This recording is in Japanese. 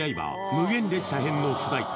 無限列車編の主題歌